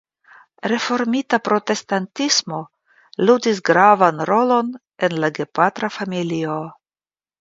Reformita Protestantismo ludis gravan rolon en la gepatra familio.